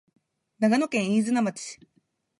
長野県飯綱町